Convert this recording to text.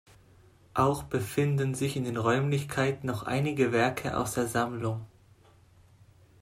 Auch befinden sich in den Räumlichkeiten noch einige Werke aus der Sammlung.